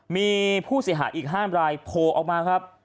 มีผู้เสียหาอีกห้ามรายโพลออกมาครับ